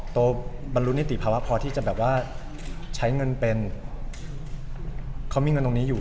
บรรลุนิติภาวะพอที่จะแบบว่าใช้เงินเป็นเขามีเงินตรงนี้อยู่